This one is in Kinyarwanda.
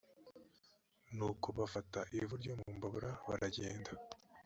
nuko bafata ivu ryo mu mbabura baragenda